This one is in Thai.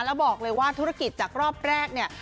แล้วบอกเลยว่าธุรกิจจากรอบแรกเนี่ย